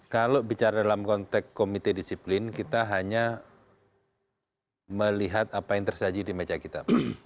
kalau bicara dalam konteks komite disiplin kita hanya melihat apa yang tersaji di meja kita